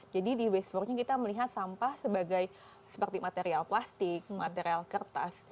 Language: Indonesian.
jadi di ways for change kita melihat sampah sebagai seperti material plastik material kertas